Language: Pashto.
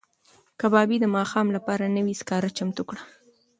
کبابي د ماښام لپاره نوي سکاره چمتو کړل.